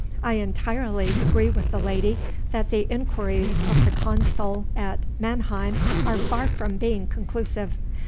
I entirely agree with the lady that the inquiries of the consul at Mannheim are far from being conclusive.